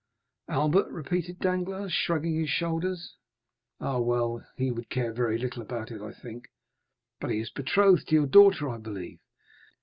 "Albert," repeated Danglars, shrugging his shoulders; "ah, well; he would care very little about it, I think." "But he is betrothed to your daughter, I believe?"